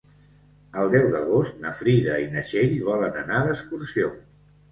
El deu d'agost na Frida i na Txell volen anar d'excursió.